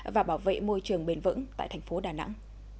và bảo vệ môi trường bền vững tại thành phố đà nẵng